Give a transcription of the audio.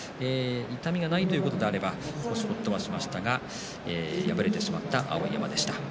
痛みがないということであればほっとしましたが敗れてしまった碧山でした。